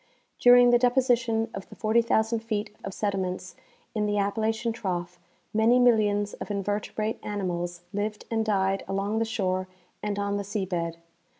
During the deposition of the 40,000 feet of sediments in the Appalachian trough many millions of invertebrate animals lived and died along the shore and on the sea bed.